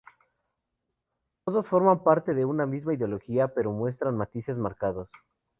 Todos forman parte de una misma ideología, pero muestran matices marcados.